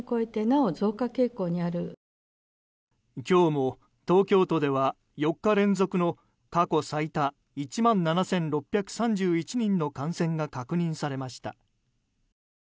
今日も東京都では４日連続の過去最多１万７６３１人の感染が確認されました。